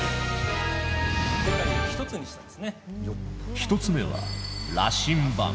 一つ目は羅針盤。